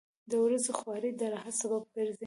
• د ورځې خواري د راحت سبب ګرځي.